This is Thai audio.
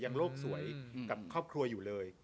โลกสวยกับครอบครัวอยู่เลย